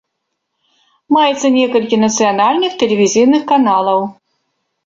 Маецца некалькі нацыянальных тэлевізійных каналаў.